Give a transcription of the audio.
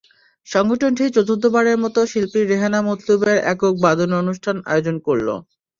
সংগঠনটি চতুর্থবারের মতো শিল্পী রেহানা মতলুবের একক বাদন অনুষ্ঠানের আয়োজন করল।